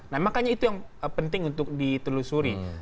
nah makanya itu yang penting untuk ditelusuri